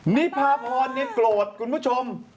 นิพาพรโกรธคุณผู้ชม